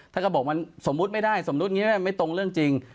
เขาบอกมันสมมุติไม่ได้สมมุติอย่างนี้ไม่ตรงเรื่องจริง